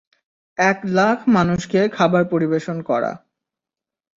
এক লাখ মানুষকে খাবার পরিবেশন করা।